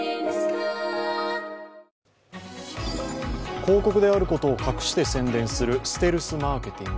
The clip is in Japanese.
広告であることを隠して宣伝するステルスマーケティング。